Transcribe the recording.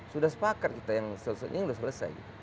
sudah sepakat kita yang sudah selesai